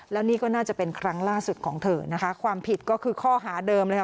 แล้วนี่ก็น่าจะเป็นครั้งล่าสุดของเธอนะคะความผิดก็คือข้อหาเดิมเลยค่ะ